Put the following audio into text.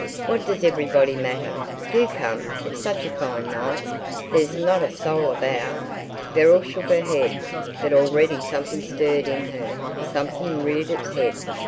"What does everybody matter? Do come! It's such a fine night. There's not a soul about." Beryl shook her head. But already something stirred in her, something reared its head.